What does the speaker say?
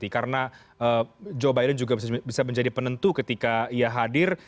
karena joe biden juga bisa menjadi penentu ketika ia hadir